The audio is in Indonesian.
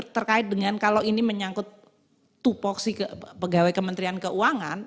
terkait dengan kalau ini menyangkut tupoksi pegawai kementerian keuangan